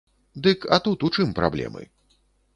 Дык а тут у чым праблемы?